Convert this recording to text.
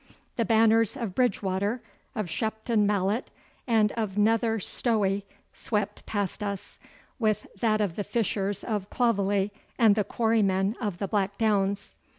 The banners of Bridgewater, of Shepton Mallet, and of Nether Stowey swept past us, with that of the fishers of Clovelly and the quarrymen of the Blackdowns.